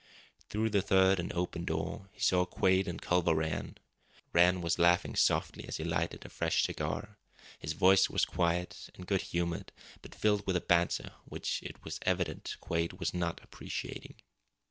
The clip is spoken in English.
Through the third and open door he saw Quade and Culver Rann. Rann was laughing softly as he lighted a fresh cigar. His voice was quiet and good humoured, but filled with a banter which it was evident Quade was not appreciating.